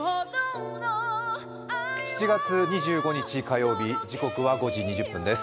７月２５日火曜日、時刻は５時２０分です。